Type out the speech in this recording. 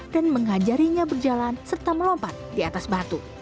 dan mengajarinya berjalan serta melompat di atas batu